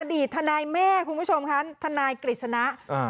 ทนายแม่คุณผู้ชมคะทนายกฤษณะอ่า